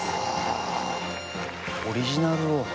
あオリジナルを。